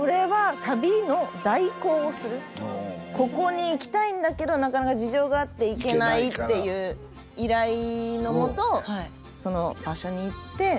ここに行きたいんだけどなかなか事情があって行けないっていう依頼のもとその場所に行って。